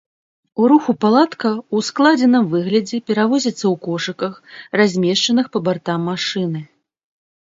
У руху палатка ў складзеным выглядзе перавозіцца ў кошыках, размешчаных па бартам машыны.